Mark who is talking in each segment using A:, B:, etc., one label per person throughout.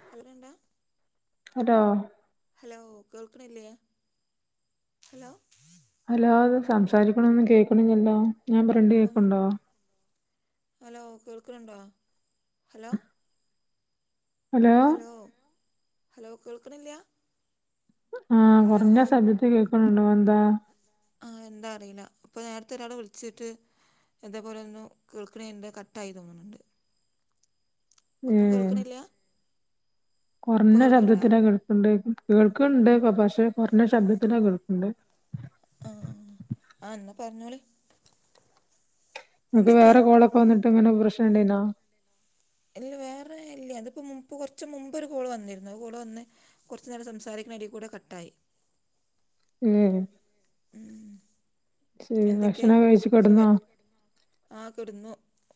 A: [unintelligible]
B: അടോ
A: hello കേൾക്ണ്ല്ലേ hello
B: വല്ലാതെ സംസാരിക്ക്ണൊന്നും കേക്ക്ണ്ല്യല്ലോ ഞാ പറണ്ട്
A: ഒന്ന്
B: കേക്ക്ണ്ടോ?
A: ഹലോ കേൾക്ക്ണ്ണ്ടോ ഹലോ ഹലോ ഹലോ കേൾക്ക്ണില്യ.
B: ആഹ് കൊറഞ്ഞ് സബ്ദത്തി കേക്കുന്നുണ്ടോ എന്താ.
A: ആഹ് എന്താറിയില്ല ഇപ്പൊ നേരത്തെ ഒരാൾ വിളിച്ചിട്ട്. ഇതേപോലൊന്നും കേൾക്ക്ണെ ന്തെ കട്ടായി തോന്ന്ണ്ണ്ട് ഒന്നും കേൾക്ക്ണില്ലാ
B: കൊർഞ്ഞ ശബ്ദത്തിലാ കേൾക്ക്ണ്ടെ കേൾക്ക്ണ്ട് പഷേ കൊറ്ഞ്ഞ ശബ്ദത്തിലാ കേൾക്ണ്ടെ
A: അഹ് ആഹ് ആന്ന പറ്ഞ്ഞോളി
B: ങ്ങക്ക് വേറെ കോളൊക്കെ വന്നിട്ട്ങ്ങനെ പ്രശ്നണ്ടേന്നോ
A: ഇല്ല വേറെ ഇല്ല്യ ത്പ്പോ മുൻപ് കൊർച്ച് മുമ്പൊരു കോള് വന്നിര്ന്നു. അ കോള് വന്ന് കൊർച്ച് നേരം സംസാരിക്ക്ണെടീകൂടെ കട്ടായി.
B: ഉം
A: ഉം
B: ശെരി ഭക്ഷണം കഴിച്ച് കെട്ന്നോ?
A: ആഹ് കെട്ന്നു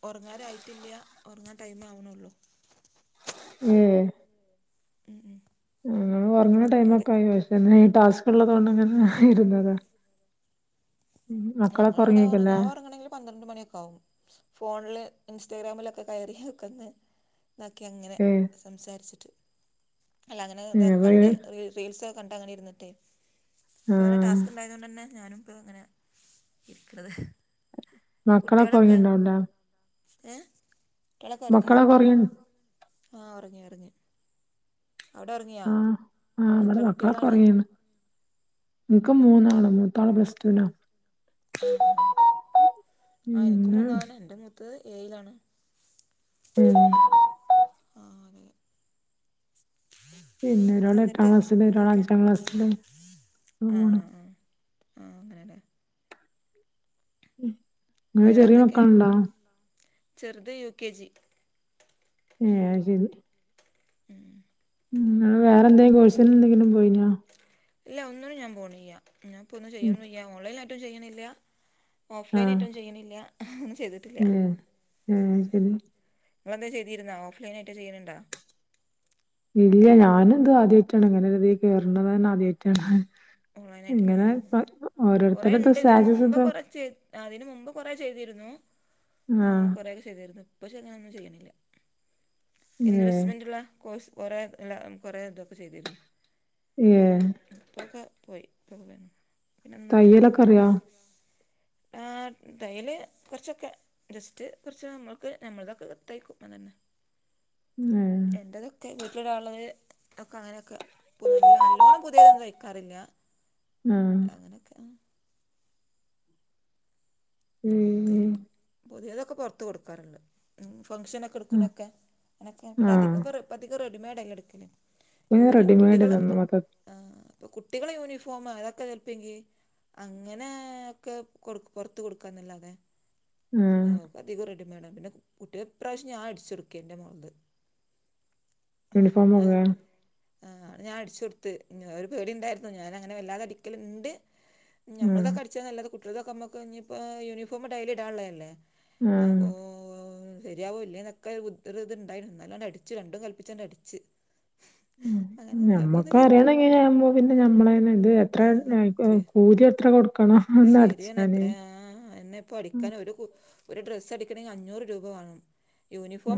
A: ഒറങ്ങാനായിറ്റ്ല്യ ഒറങ്ങാൻ ടൈം ആവ്ണൊള്ളൂ.
B: ഏഹ്
A: ഉം
B: ഞങ്ങള് ഒർങ്ങ്ണ
A: എന്ത്
B: ടൈമൊക്കായി പശേ ഇന്നീ ടാസ്ക്ള്ളതൊണ്ട്ങ്ങനെ ഇരുന്നതാ. ഉം, മക്കളൊക്കെ
A: ഞങ്ങള്വ്ടെ ഒറങ്ങ
B: ഉറങ്ങിയേക്കല്ലേ
A: ഞാ ഒർങ്ങണങ്കില് പന്ത്രണ്ട് മണിയൊക്കാവും. ഫോൺല് ഇന്സ്റ്റാഗ്രാമിലൊക്കെ കയറിയൊക്കൊന്ന് താക്കി അങ്ങനെ
B: ഏ
A: സംസാര്ച്ചിട്ട് അല്ലങ്ങനെ
B: ഏ,
A: എന്താ
B: അപ്പൊ
A: കണ്ട്
B: ഈ-
A: റീൽ റീൽസൊക്കെ കണ്ടങ്ങനെ ഇരുന്നിട്ടെ
B: ആ
A: ഇപ്പങ്ങനെ ടാസ്ക്ണ്ടായത് കൊണ്ടന്നെ ഞാനും ഇപ്പോങ്ങനെ ഇര്ക്ക്ണത്.
B: മക്കളൊക്കെ
A: കുട്ട്യാളൊക്കെ
B: ഉറങ്ങിണ്ടാവില്ല
A: ഏഹ് ട്ട്യാളൊക്കെ ഒർങ്ങി മക്കളൊക്കെ ഒർങ്ങിയൊ ആഹ് ഒർങ്ങി ഒർങ്ങി അവിടെ ഒറ്ങ്യോ?
B: ആഹ് ആഹ് വടെ മക്കളൊക്കെ ഒറ്ങ്ങീണ്. ഇൻക്ക് മൂന്നാള് മൂത്താള് പ്ലസ്റ്റൂനാ.
A: ആഹ് ആഹ് ആഹ് ആഹ് ൻക്കും
B: പിന്നെ
A: മുന്നാണ്. ഇന്റെ മൂത്തത് ഏയിലാണ്.
B: ഉം
A: നാല്
B: പിന്നെ ഒരാള് എട്ടാം
A: എന്ന്ട്ട്
B: ക്ലാസ്സില് ഒരാള്
A: എന്തൊക്കെ
B: അഞ്ചാം ക്ലാസ്സില്
A: ആഹ്
B: അങ്ങനെ പോണ്
A: ആഹ് ആഹ് അങ്ങനെ ലെ
B: ഇങ്ങക്ക്
A: വേറെന്തെക്കെ ചെറിയ
B: മക്കളുണ്ടോ
A: മക്കൾണ്ട ചെറ്ത് യുകെജി
B: ഏഹ് അയ് ശെരി.
A: ഉം
B: ഉം ങ്ങള് വേറെന്തേം കോഴ്സിനെന്തെങ്കിലും പോയിനോ?
A: ഇല്ല ഒന്നിനും ഞാ പോണിയ്യ ഞാപ്പൊന്നും ചെയ്യനുയ്യ ഓൺലൈൻ ആയിട്ടും ചെയ്യ്ണില്ല.
B: ആഹ്
A: ഓഫ്‌ലൈനായിട്ടും ചെയ്യ്ണില്ല ഒന്നും ചെയ്തിട്ടില്ല
B: ഏഹ് ഏഹ് അത്
A: ഉം
B: ശരി
A: ങ്ങളെന്തേ ചെയ്തിരുന്നോ ഓഫ്‌ലൈനായിട്ട് ചെയ്യ്ണ്ണ്ടോ
B: ഇല്ല ഞാനിത് ആദ്യായിട്ടാണ്. ഇങ്ങന ഒരുതീ കേർണത് ന്നെ ആദ്യയിട്ടാണ്.
A: ഓൺലൈനായിട്ട് ല്ലേ കൊറേണ്ട് ഇതിന്
B: സ്റ്റാറ്റസ്
A: മുമ്പ്
B: ഒക്കെ
A: കൊറേ ചെ ആഹ് ഇതിന് മുമ്പ് കൊറെ ചെയ്തിരുന്നു ഉം
B: ആഹ്
A: കൊറെ ചെയ്രുന്നു ഇപ്പ ഷെ ഞാനൊന്നും ചെയ്യണില്ല
B: ഏഹ്
A: ഇൻവെസ്റ്റ്മെന്റ്ള്ള കോഴ്സ് കൊറേ എല്ല കൊറേ ഇതൊക്കെ ചെയ്തിരുന്നു.
B: ഏഹ്
A: ഇപ്പൊക്കെ പോയി [unintelligible]
B: തയ്യലൊക്കെ അറിയോ
A: ആഹ് ടൈല് കൊർച്ചൊക്കെ ജസ്റ്റ് കൊർച്ച് നമ്മൾക്ക് നമ്മൾതൊക്കെ [unintelligible] അതന്നെ
B: ഏഹ്
A: എൻ്റെതൊക്കെ വീട്ടിൽ ഇടാൻള്ളത് ഒക്കെ അങ്ങനൊക്കെ പ്പ നല്ല നല്ലോണം പുതിയതൊന്നും തഴിക്കാറില്ലാ
B: ആഹ്
A: അങ്ങനൊക്കെ ആഹ്
B: ഏഹ്
A: [unintelligible] പുതിയതൊക്കെ പൊറത്ത് കൊടുക്കാറുള്ളു, ഉം ഫംഗഷനൊ
B: ആ
A: ഇടുക്കുണോക്കെ, അങ്ങനൊക്കെ പിന്നെ
B: ആഹ്
A: അധികപ്പൊ പ്പധികം റെഡിമെയഡ് അല്ലേ എടുക്കല്
B: പിന്നെ
A: യൂനീ,
B: റെഡിമെയ്ഡ്
A: കുട്ടികള്
B: തന്നു മൊത്ത
A: ആഹ് അപ്പ കുട്ടികളെ യൂണിഫോം അതൊക്കെ ചെൽപെങ്കി അങ്ങനേ ഒക്കെ കൊടു പൊറത്ത് കൊടുക്കാന്നല്ലാതെ
B: ആഹ്
A: ഏഹ് ഇപ്പ അധികും റെഡിമെയ്ഡ പിന്നെ കു കുട്ടിയാ ഇപ്രാവശ്യം ഞാൻ അടിച്ചൊടുക്കെ ൻറെ മോളത്
B: യൂണിഫോമൊക്കെ
A: ആഹ് ആഹ് അത് ഞാൻ അടിച്ചു കൊടുത്ത് ഞാ ഒരു പേടിണ്ടായിരുന്നു ഞാനങ്ങനെ വല്ലാതെ അടിക്കലുണ്ട്
B: ആ
A: ഞമ്മളതൊക്കെ
B: ആ
A: അടിച്ചാന്നല്ലാതെ കുട്ടിയളതൊക്കെ ഞമ്മക്ക് ഇഞ്ഞിപ്പോ യൂണിഫോം ഡെയിലി ഇടാള്ളതല്ലേ അപ്പോ ഓ ശരിയാവോ ഇല്ലേനൊക്കയൊരു ബുദ് ഒരു ഇത്ണ്ടായിനു, ഇന്നാലുആണ്ട് അടിച്ചു രണ്ടും കല്പ്പിച്ച് ആണ്ട് അടിച്ച്
B: ഉം, ഉം
A: അങ്ങനെ
B: ഞമ്മൾക്ക്
A: കുഴപ്പൊന്നുമില്ല
B: അറീണ ഇങ്ങനെ കാണുമ്പോ പിന്നെ ഞമ്മളെന്നെ ഇത് എത്ര ഉം ഉം
A: ആഹ്
B: കൂലി എത്ര കൊടുക്കണം, ഒന്ന് അടിച്ചാന്
A: ആഹ് എന്നെ പ്പോടി ക്കാനൊരു കു ഒരു ഡ്രസ്സ് അടിക്കണെങ്കി അഞ്ഞൂറ് രൂപ വാണം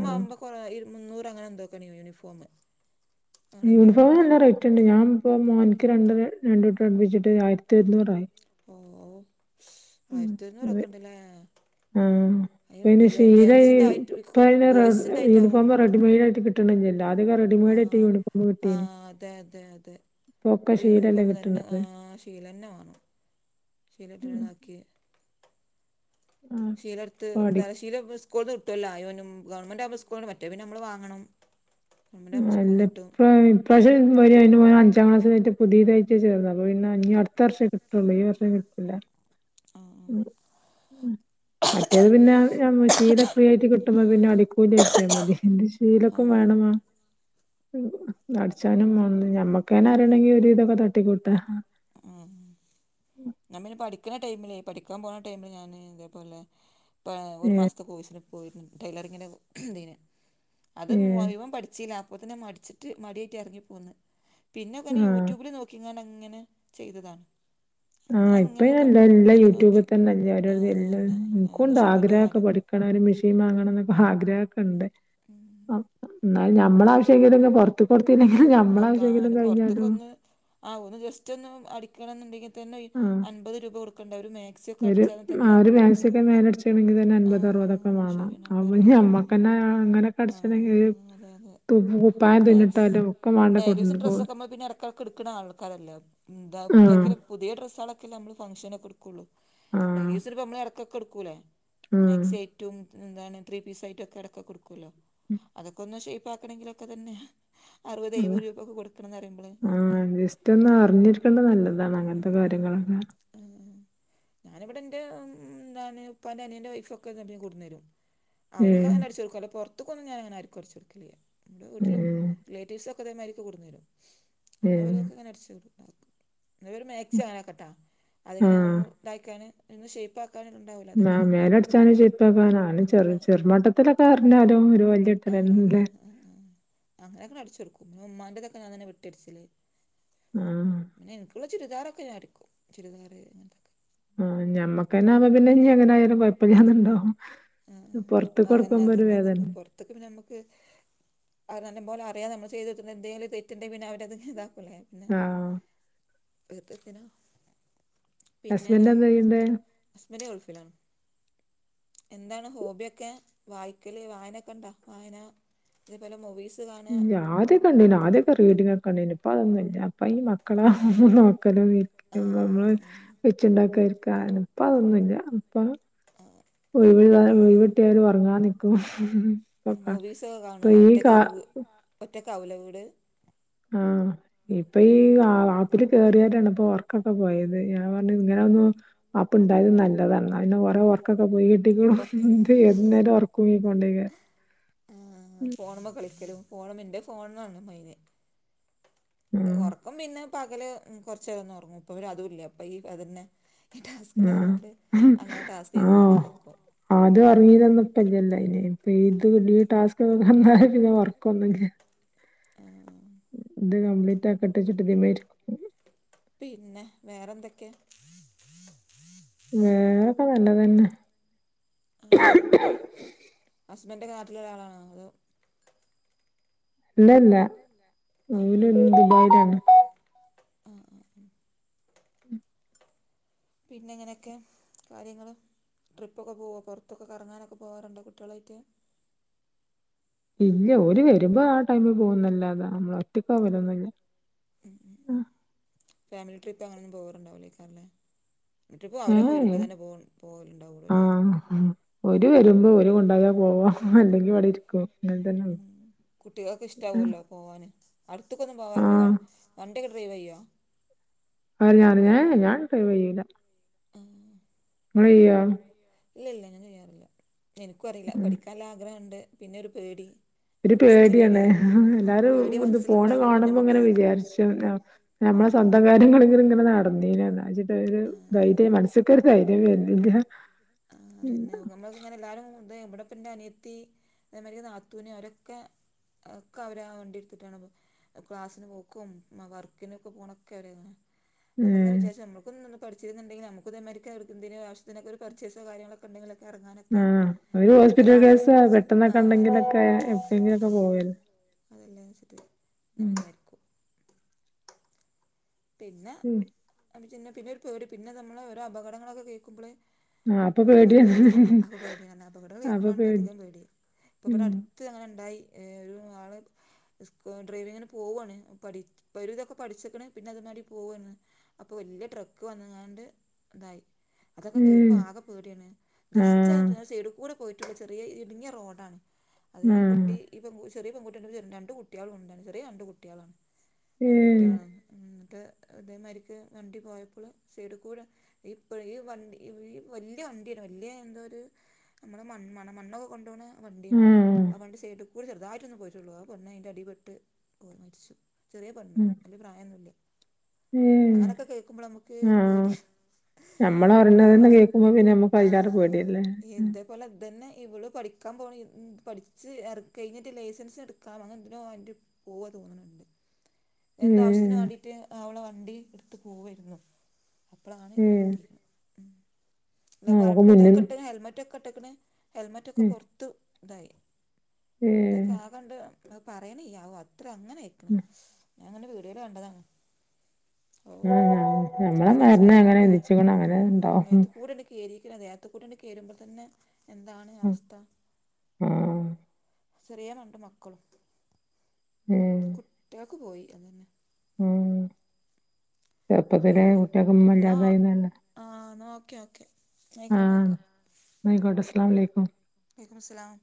B: ആഹ്
A: കു കൊറാ ഇരു മുന്നൂറ് അങ്ങനെ എന്തൊക്കെണ് യൂണിഫോം അങ്ങനെ എന്തോ
B: യൂണിഫോം
A: ആണ്
B: നല്ല റേറ്റ്ണ്ട് ഞാപ്പോ മോൻക്ക് രണ്ട് രണ്ടൂട്ടം അടുപ്പിച്ചിട്ട് ആയിരത്തി ഒരുന്നൂറായി
A: ആവു, ആയിരത്തി ഒരുന്നൂറൊക്കെണ്ട്ലേ
B: ആഹ് പിന്നെ ശീല ഈ
A: ആയിട്ട് വിൽക്കും,
B: പ്പയിന് റെ
A: ബോയ്സിൻ്റെ ആയിട്ടാവും
B: യൂണിഫോം റെ റെഡിമെയ്ഡ് ആയിട്ട് കിട്ട്ണില്ലല്ലൊ ആദ്യൊക്കെ റെഡിമെയ്ഡ് ആയിട്ട് യൂണിഫോം കിട്ടീന്
A: ആഹ് അതെ, അതെ, അതെ
B: ഇപ്പൊക്കെ
A: ഇപ്പൊ
B: ശീലല്ലേ
A: യൂണിഫോം തന്നെ ആ
B: കിട്ടണത്
A: ശീലന്നെ വാണം, ശീലട്ടണതാക്കി ശീലടുത്ത്
B: ആഹ്
A: എന്തറിയ ശീല വ് സ്കൂൾന്ന് കിട്ടുഅല്ലായൊനും ഗവൺമെന്റ് ആവുമ്പോ സ്കൂൾ മറ്റേ പിന്നെ നമ്മള് വാങ്ങണം ഗവൺമെൻറ് ആകുമ്പോൾ സ്കൂളിൽ
B: അല്ല,
A: നിന്ന് കിട്ടും
B: ഇപ്പോ [unintelligible] ഇപ്രാവശം [unintelligible] ഇൻ്റെ മോന് ഇൻ്റെ മോന് അഞ്ചാം ക്ലസ്സായിട്ട് പുതിയതായിട്ട് ചേർന്നത്, അപ്പൊ പിന്നെ ഞ്ഞി അടുത്ത വർഷേ കിട്ടുള്ള ഈ വർഷം കിട്ടു ല്ല
A: ആ
B: ഉം, ഉം മറ്റേത് പിന്നെ ഷീല ഫ്രീ ആയിട്ട് കി ട്ടുമ്പോ പിന്നെ അടിക്കൂലി നോക്കിയാൽ മതി ഇത്
A: ആ
B: ശീലക്കും വേണം ഉം അടിച്ചാനും വാണം ഞമ്മക്കെന്നെ അറിയണങ്കി ഒരു വിദക്കെ തട്ടിക്കൂട്ടാ
A: അ ആഹ് ഞമ്മിൾ പഠിക്കണ ടൈമിലേ പഠിക്കാന് പോണ ടൈമില് ഞാന് ഇതേപോലെ പാ ഒരു
B: ഏ
A: മാസത്തെ കോഴ്സിന് പോയിരുന്നു ടൈലറിങ്ങിൻ്റെ ഇതിന് അത്
B: ഏ
A: മുഴുവം പഠിചില, അപ്പൊത്തിന് മടിച്ചിട്ട് മടിയായിറ്റ് എറങ്ങി പോന്ന് പിന്നക്കെനെ
B: ആഹ്
A: യൂട്യൂബിൽ നോക്കിങ്ങാണ്ട് അങ്ങനെ ചെയ്തതാണ് അങ്ങനെ
B: ആഹ്
A: അങ്ങനെ
B: ഇപ്പഅയിന്
A: പ
B: എല്ലാരും നല്ല
A: നോക്കി
B: യൂട്യൂബിൽ
A: നോക്കി
B: തന്നെല്ലേ
A: ആ
B: എല്ലാതും വര്ണ്,
A: പിന്നെ
B: ഇൻകൂണ്ട്
A: മെഷർമെൻറ്റും
B: ആഗ്രഹൊക്കെ
A: കാര്യം
B: പഠി ക്കണം, ഒരു മിഷീൻ വാങ്ങണം എന്നൊക്കെ ആഗ്രഹ ഒക്കെ ഇണ്ട്
A: ഉം
B: ന്നാലും നമ്മള്
A: പെറ്ത്ത് ആ
B: ആവശ്യമെങ്കിലും
A: ആന്
B: കഴിഞ്ഞാലും
A: പൊറ്ത്ത്ക്കൊന്ന് ആ ഒന്ന് ജസ്റ്റ് ഒന്ന് അടിക്കണന്നുണ്ടെങ്കിൽ ത്തന്നെ
B: ആഹ്
A: അൻമ്പത് രൂപ കൊടുക്കണ്ടേ ഒരു മാക്സി ഒക്കെ
B: ഒരു
A: അടിച്ചാണെ
B: ആഹ്
A: തന്നെ
B: ഒരു മാക്സിയൊക്കെ [unintelligible]
A: ആ, ശരിയാണ് അൻപത് അറുപതാണ്
B: ഞമ്മക്കന്നെ അങ്ങനൊക്കെ
A: ആഹ്
B: അടിച്ചണങ്കിൽ
A: ആഹ് ആഹ് അതെ, അതെ
B: തു കുപ്പായം
A: മാക്സ്
B: തുന്നിട്ടാലും ഒക്കെ മാണ്ടേ കൊണ്ട്, പോക
A: പ്പ തൊക്കെ ഇട്ക്കണ ആൾക്കാരല്ലെ, എന്താ
B: ആഹ്
A: [unintelligible] പുതേ ഡ്രസ്സാളൊക്കെല്ലെ നമ്മള് ഫങ്ഷനെടുക്കെള്ളു ഡയലി
B: ആഹ്
A: യൂസിന് ഇപ്പോ നമ്മള് എടക്കൊക്കെ എടുക്കൂല്ലെ മാക്സി ആയിട്ടും എന്താണ് ത്രീ പീസ് ആയിട്ടൊക്കെ എടക്കെക്കെ എടുക്കല്ലോ അതെക്കെ ഒന്ന് ഷെയ്പ്പാക്കണ്ടങ്കിലെക്കെ തന്നെ അറുപത്
B: ഉം
A: എഴുപത് രൂപയൊക്കെ കൊടുക്കണംന്ന് പറയുമ്പള്
B: ആഹ്
A: നമുക്ക്
B: ജസ്റ്റ് ഒന്ന് അറിഞ്ഞിരിക്കേണ്ടത് നല്ലതാണ് അങ്ങനത്തെ കാര്യങ്ങളൊക്കെ
A: [unintelligible] ഞാനിവിടെ എന്റെന്താണ് ഉപ്പാന്റെ അനിയന്റെ വൈഫ് ഒക്കെ ഇങ്ങട്ട് കൊണ്ടോന്നരും
B: ഏഹ്
A: അവർക്കങ്ങനെ അടിച്ച് കൊടുക്കും പെർത്ത്ക്കെന്നും ഞാന അങ്ങനെ ആർക്കും അടിച്ച് കൊടുക്കലില്ല അതേണ്ട് വീട്ടില്
B: ഏഹ്
A: റിലേറ്റീവ്സ് ഒക്കെ ഇതെമാതിരിക്ക് കൊണ്ടേന്നരും അപ്പ
B: ഏഹ്
A: ഒരോസം അങ്ങനെ അടിച്ച്താക്കും ഇന്നലെരു മാക്സി വാങ്ങക്കട്ടെ അതിങ്ങനെ
B: ആഹ്
A: ഒന്ന് ഇതാക്കാന് ഒന്ന് ഷേയ്പ്പാക്കാന് ഇണ്ടാവല്ലോ?
B: മാമ് മേലടിച്ചാനും ഷെയ്പ്പാക്കാനും അഹന്റെ ചെറ് ചെറു മട്ടത്തിലെക്കെ അറിഞ്ഞാലും ഒരു വല്ല്യ [unintelligible]
A: അങ്ങനെക്കെ അടിച്ച് കൊടുക്കും പിന്നെ ഇമ്മാന്റതൊക്കെ ഞാ തന്നെ വെട്ടി അടിക്ചല്
B: അഹ്
A: എൻക്കുള്ള ചുരിദാറൊക്കെ ഞാനെടുക്കും ചുരിദാറ് അങ്ങനതെക്കെ
B: ആ ഞമ്മക്കന്നെ പിന്നെ എങ്ങനെയാലും കൊഴപ്പല്ലാന്നുണ്ടാവും
A: ആ
B: പെർത്ത്ക്ക് കൊടുക്കുമ്പോ ഒരു വേദന
A: അതൊക്കെ പിന്നെ നമക്ക് അഹ് നല്ല പോലെ അറിയാൻ നമ്മള് ചെയ്ത് വെച്ച എന്തെലും തെറ്റ്ണ്ടങ്കില് പിന്നെ അവരത് ഇതാക്കുലെ പിന്നെ
B: ആഹ്
A: വ്യതത്തിനാ
B: ഹസ്ബൻഡ്
A: പിന്നേടാ
B: എന്താ ചെയ്യ്ണ്ടേ?
A: അസ്ബന്റ് ഗൾഫിലാണ് എന്താണ് ഹോബിയൊക്കെ വായിക്കല് വായനൊക്കെ ഇണ്ടേ വായന ഇത് പല മൂവീസ് കാണ
B: ഞാര് കണ്ടീന്യേ ആദ്യക്കെ റീഡിങ് ക്കെ ഇണ്ടേനു ഇപ്പ അതൊന്നുല്ല അപ്പ ഈ മക്കളാ നോക്കലും വീ
A: ആ
B: ഇമവെച്ച്ണ്ടാക്കരിക്ക ആണ് ഇപ്പ അതൊന്നുല്ല അപ്പ
A: [inaudible] ആ
B: ഒഴിവുളോളെ ഒഴിവ്ട്ട്യാല് ഒറങ്ങാൻ നിക്കും ഇപ്പ
A: മൂവീസൊക്കെ കാണേ
B: ഈ കാ
A: ഒറ്റക്ക ഒറ്റക്കാവു ലെ വീട്
B: ആ ഇപ്പ
A: ഉം
B: ഈആഹ് ഇതില് കോറ്യോരാണ് പ്പം വർക്കെക്കെ പോയത് ഞാൻ പറഞ്ഞ് ഇങ്ങനെ ഒന്നും അപ്പ് ഇണ്ടായത് നല്ലതാണ് അയ്ന് ഓരോ ഉർക്ക് ഒർക്കെക്കെ പോയി കിട്ടിക്കൂണു
A: പൊറക്ക
B: ഇത് ഏത് നോരം ഒർക്കൂങ്ങി കൊണ്ടേക്കാരം
A: ആഹ് ഫോണ് മല് കളിക്കലും ഫോണ് എൻ്റെ ഫോണാണ് മൈന്
B: ആഹ്
A: ഉറക്കം പിന്നെ പകല് കൊറച്ചേരന്നു ഒറങ്ങും ഇപ്പവര് അതുല്ല അപ്പൊ ഈ അതന്നെ ഈ ടാസ്ക്
B: ആഹ്
A: ഇണ്ടായതേണ്ട് അങ്ങനെ ടാസ്ക് ചെയ്ത്കാണ്ട് രിക്കും ഉം
B: ഇപ്പല്ലല്ലേ അയ്ന് ഇപ്പ ഇത് ഈ ടാസ്ക് വന്നാരെ പിന്നെ ഒർക്കെന്നുല്ല.
A: ആഹ്
B: അത് കംപ്ലീറ്റ് ആക്കട്ടെച്ച്ട്ട് ഇതിമേരിക്കും
A: പിന്നെ വേറെന്തൊക്കെ?
B: വേറെ നല്ലതന്നെ.
A: ആഹ് ഹസ്ബന്റ് നാട്ടില് ല്ലളാണോ അതേ
B: ഇല്ലല്ല ന
A: ആഹ് ആഹ്
B: ഒല് ദുബായിലാണ്
A: ആഹ് ആഹ് ആഹ് പിന്നെ എങ്ങനെയൊക്കെ കാര്യങ്ങള്. ട്രിപ്പൊക്കെ പോുക പുറത്തക്കെ കറങ്ങാനൊക്കെ പോകറുണ്ട് കുട്ടികളായിട്ട്.
B: ഇല്ല ഒരു വരുമ്പോ ആ ടൈമ പോകുന്നല്ലാതാ നമ്മള് ഒറ്റക്കാ പോവല്ന്നില്ല
A: ഫാമിലി ട്രിപ്പ് അങ്ങനെ ഒന്നും പോകാറുണ്ടാവില്ലേക്കാറല്ലേ ട്രിപ്പ് അവരൊക്കെ
B: ഏഹ്
A: വരുമ്പോൾ തന്നെ പോ പോവലുണ്ടാവൂടൂലേ
B: ഇവര് ഉണ്ടയ പോവ അല്ലെങ്കിൽ അവിടെ ഇരിക്കും അങ്ങനെ തന്നെ ഉള്ളു.
A: കുട്ടിള്ക് ഇഷ്ട ഉല്ലോ പോവാൻ അടുത്തക്കെ ഒന്നും പോവാറില്ലേ വ
B: ആഹ്
A: വണ്ടൊക്കെ ഡ്രൈവ് ചെയ്യോ
B: അഞാ ഞ്ഞനോ ഞാൻ ഡട്രൈവ് ചെയ്യൂല്ല
A: ആഹ്
B: വയ്യാ
A: ഇല്ല ഇല്ല അങ്ങനെ ചെയ്യാറില്ല എനിക്കും അറിയില്ല
B: ഉം
A: പഠിക്കാൻ ആഗ്രഹുണ്ട് പിന്നെ ഒരു പേടി
B: ഒരു
A: ഫസ്റ്റ്
B: പേടിയാണ്
A: പേടിയാ
B: എല്ലാരും
A: പേടി
B: ഇത് പോണ്
A: മനസ്സിലുണ്ടാവുമ്പോ പിന്നെ
B: കാണുമ്പോ അങ്ങനെ
A: നമുക്കത്
B: വിചാരിച്ചു നമ്മളെ സ്വന്തം കാര്യങ്ങളെങ്കിലും ഇങ്ങനെ നടന്നീനാന്ന് വെച്ചിട്ട് ഒരു ധൈര്യം
A: ആഹ്
B: മനസ്സ്ക്കൊരു ധൈര്യം വരുന്നില്ല [inaudible]
A: ആഹ് അതന്നെയാ ന അങ്ങനെ എല്ലാരും ഇത് ഇവിട്പ്പെൻ്റെ അനിയത്തി അതേമാരി നാത്തൂന് അവരൊക്കെ ക്കെ അവരാ വണ്ടി എടുത്തിട്ടാണ് അപ്പൊ ക്ലാസ്സിന് പോക്കും വർക്കിനൊക്കെ പോണൊക്കെര അങ്ങനെ അപ്പൊങ്ങിന
B: ഉം
A: വിചാരിച്ച നമുക്കും ഒന്ന്ന്ന് പഠിച്ചിരുന്നുണ്ടെങ്കി നമുക്കു ഇതേമാരി ഒണ്ടെങ്കിലൊക്കെ എറങ്ങാനൊക്കെ
B: ആഹ് ഒരു ഹോസ്പിറ്റൽ
A: ഒരാള്
B: കേസോ
A: ആഹ്
B: പെട്ടെന്നൊക്കെ
A: ആന്നെ
B: ഉണ്ടെങ്കിലൊക്കെ എപ്പഴെങ്കിലൊക്കെ പോവല്ലേ
A: അതെല്ലേന്ന് വെച്ചിട്ട് ഞാ
B: ഉം
A: വിചാരിക്കും പിന്നെ
B: ഉം
A: പിന്നെ പിന്നെ ഒര് പേടി പിന്ന നമ്മള് ഓരോ അപകടങ്ങളൊക്കെ കേൾക്കുമ്പോളെ
B: ആഹ്
A: അപ്പൊ ഒരു
B: പേടിയാണ്
A: പേടി അപ്പൊ പേടി അപകട കേക്കുമ്പള അധികം പേടി ഇപ്പ ഇവിടെ
B: ഉം
A: അടു ത്ത് അങ്ങനെ ഉണ്ടായി ഏ ഒരു ആള് സ് ഡ്രൈവിങ്ങിന് പോവുവാണ് പഠി ഒരു വിധോക്കെ പഠിച്ചെക്കണ് പിന്നെ അതു മാടി പോവൂന്ന് അപ്പോ വലിയ ട്രക്ക് വന്നങ്ങാണ്ട് ഇതായി അതൊക്കെ കേക്കുമ്പോ
B: ഉം
A: ആകെ പേടിയാണ്
B: ആഹ്
A: ജസ്റ്റ് സൈഡ് കൂടെ പോയിട്ടൊളള ചെറിയ ഇടുങ്ങിയ റോഡാണ് അത് ഈ കുട്ടി
B: ആഹ്
A: ഈ പെ ചെറിയ പെൺകുട്ടി ഉണ്ട് രണ്ട് കുട്ടികളും ഉണ്ട് ചെറിയ രണ്ട് കുട്ടികളാണ്
B: ഏഹ്
A: കുട്ടികളാണ് എന്നിട്ട് ഇതേമാരിക്ക് വണ്ടി പോയപ്പോള് സൈഡ് കൂടെ ഇപ്പ ഈ വണ്ടി ഈ വല്ല്യ വണ്ടിയാണ് വല്ല്യ എന്താ ഒരു നമ്മള മൺ മണ മണ്ണൊക്കെ കൊണ്ടോണ ആ വണ്ടിയാണ്
B: ആഹ്
A: ആ വണ്ടി സൈഡ് കൂടെ ചെറുതായിട്ടൊന്ന് പോയിട്ടുള്ളൂ ആ പെണ്ണ് അയിൻ്റെ അടിപ്പെട്ട് പോ മരിച്ചു ചെറിയ പെണ്ണ്
B: ഉം
A: വലിയ പ്രായൊന്നുല്ല
B: ഏഹ്
A: അങ്ങനെയൊക്കെ കേൾക്കുമ്പോള് നമുക്ക് ഒരു
B: ആഹ്
A: പേടി അ
B: നമ്മളറിണതെന്നെ കേക്കുമ്പോ പിന്നെ നമ്മക്ക് അയിലേറെ
A: ആഹ്
B: പേടിയല്ലേ
A: എന്ത പ്പോലെ അതന്നെ ഇവളും പഠിക്കാ പോണ പഠിച്ച് കഴിഞ്ഞിട്ട് ലൈസൻസ് എടുക്കാം അങ്ങനെന്തിനോ അതിൻ്റെ പോവാ തോന്നണുണ്ട്
B: [inaudible]
A: എന്തോ ആവശ്യത്തിന് വേണ്ടിയിട്ട് അവള് വണ്ടി എടുത്ത് പോവായിരുന്നു അപ്പൊളാണ്
B: ഏഹ്
A: പറ്റിയത് ഉം അല്ല
B: നമുക്ക്
A: വരുമ്പോ
B: മുന്നിൽ
A: ഇതൊക്കെ ഇട്ട് ഹെൽമെറ്റൊക്കെ ഇട്ടെക്കണ് ഹെൽമറ്റൊക്കെ
B: ഏഹ്
A: പൊറത്തു ഇതായി
B: ഏഹ്
A: ഇതൊക്കെ ആകണ്ട് പറയണിയാവോ അത്ര അങ്ങനെ ആയിക്കണ്
B: ഉം
A: ഞാൻ അങ്ങനെങ്ങെ വീഡിയോയിൽ കണ്ടതാണ് ഓ
B: ആഹ് നമ്മളെ മരണം അങ്ങനെ
A: തലച്ചോറൊക്കെണ്ട്
B: വിധിച്ച്ക്ക്ണ് അങ്ങനെ
A: ഉം
B: ഇണ്ടാവും
A: മേത്ത് കൂടെ കേറിരിക്കണതേ ദേഹത്തൂടങ്ങട്ട് കയറുമ്പോൾ തന്നെ എന്താണ് അവസ്ഥ
B: ആഹ്
A: ചെറിയ രണ്ട് മക്കളും
B: ഉം
A: കുട്ടികക്ക് പോയി അതു തന്നെ
B: ഉം ചെറുപ്പത്തിലെ
A: പിന്നെ
B: കുട്ടികക്കുമ്മ
A: ന്നാ
B: ഇല്ലാതായിന്നന്നെ
A: ആഹ് ഓക്കെ ഓക്കെ ആയിക്കോട്ടെ
B: ആഹ്
A: ഓക്കെ
B: ആയ്ക്കോട്ടെ അസ്ലാഅലൈക്കും
A: വലക്കുസ്സലാം